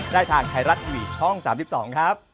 ได้ทางไทยรัฐทีวีช่อง๓๒ครับ